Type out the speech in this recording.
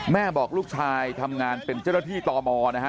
แม่บอกลูกชายทำงานเป็นเจ้าหน้าที่ตมนะฮะ